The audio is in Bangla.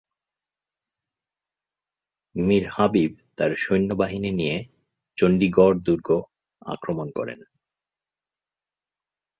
মীর হাবিব তাঁর সৈন্যবাহিনী নিয়ে চণ্ডীগড় দুর্গ আক্রমণ করেন।